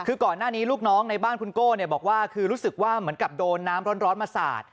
คือก่อนหน้านี้ลูกน้องในบ้านคุณโก้บอกว่าคือรู้สึกว่าเหมือนกับโดนน้ำร้อนมาสาด